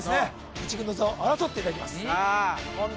１軍の座を争っていただきます